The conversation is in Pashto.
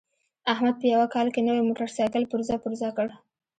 احمد په یوه کال کې نوی موټرسایکل پرزه پرزه کړ.